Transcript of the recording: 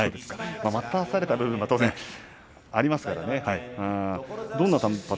待たされた部分は当然ありますからね。